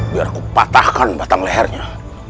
biar ku patahkan batang lehernya